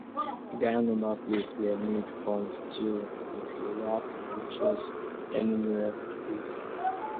Dial number plates were made from steel with a white vitreous enamel face.